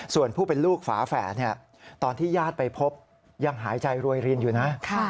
ส่วนผู้เป็นลูกฝาแฝดตอนที่ญาติไปพบยังหายใจรวยรินอยู่นะ